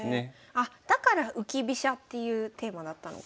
あっだから浮き飛車っていうテーマだったのか。